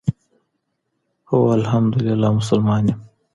هو ألحمد لله مسلمان يم،